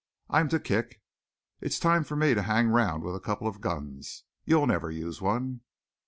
I'm to kick. It's time for me to hang round with a couple of guns. You'll never use one."